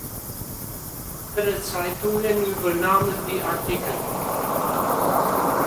Andere Zeitungen übernahmen die Artikel.